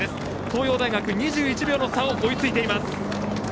東洋大学、２１秒差を追いついています。